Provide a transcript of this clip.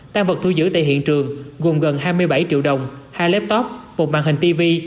tăng vật thu giữ tại hiện trường gồm gần hai mươi bảy triệu đồng hai laptop một màn hình tv